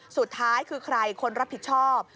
สุดท้ายคือใครคนรับผิดชอบ